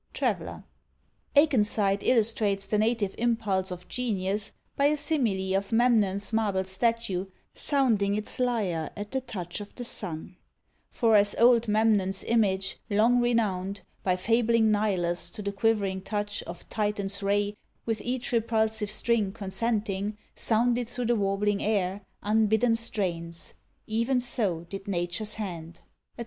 Traveller. Akenside illustrates the native impulse of genius by a simile of Memnon's marble statue, sounding its lyre at the touch of the sun: For as old Memnon's image, long renown'd By fabling Nilus, to the quivering touch Of Titan's ray, with each repulsive string Consenting, sounded through the warbling air Unbidden strains; even so did nature's hand, &c.